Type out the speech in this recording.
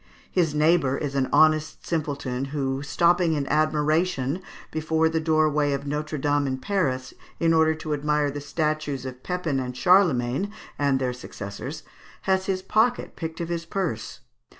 His neighbour is an honest simpleton, who, stopping in admiration before the doorway of Notre Dame in Paris in order to admire the statues of Pepin, Charlemagne, and their successors, has his pocket picked of his purse.